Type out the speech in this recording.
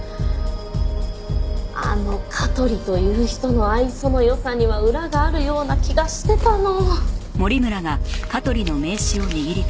あの香取という人の愛想の良さには裏があるような気がしてたの！